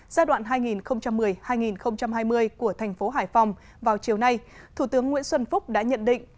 giai đoạn hai nghìn một mươi hai nghìn hai mươi của thành phố hải phòng vào chiều nay thủ tướng nguyễn xuân phúc đã nhận định